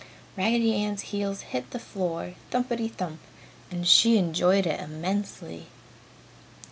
Raggedy Ann's heels hit the floor thumpity thump and she enjoyed it immensely.